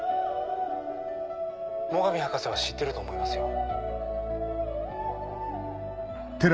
最上博士は知ってると思いますよ。